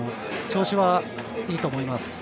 調子はいいと思います。